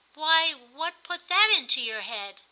*Why, what put that into your head?'